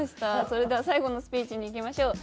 それでは最後のスピーチにいきましょう。